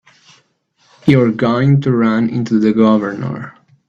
You're going to run into the Governor.